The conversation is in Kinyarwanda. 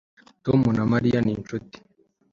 Tom na Mariya ni inshuti